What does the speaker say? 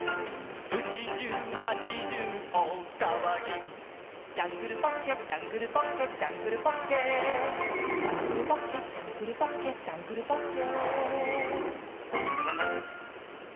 「うちじゅう町じゅうおおさわぎ」「ジャングルポッケジャングルポッケ」「ジャングルポッケ」「ジャングルポッケジャングルポッケ」「ジャングルポッケ」